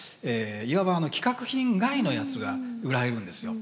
いわば規格品外のやつが売られるんですよ。